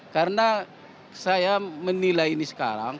karena saya menilai ini sekarang